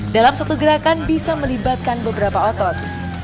dalam satu gerakan bisa melibatkan beberapa otot